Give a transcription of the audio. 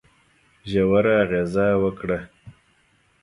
ژوره اغېزه وکړه.